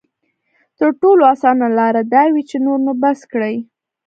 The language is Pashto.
تر ټولو اسانه لاره دا وي چې نور نو بس کړي.